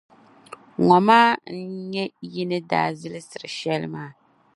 Ŋɔ maa n-nyɛ yi ni daa zilsiri shεli maa.